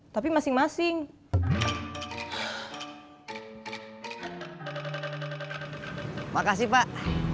terima kasih pak